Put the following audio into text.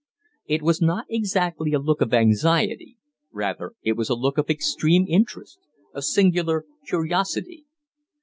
It was not exactly a look of anxiety; rather it was a look of extreme interest, of singular curiosity.